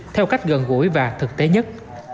theo cách gần gũi và thực tế nhất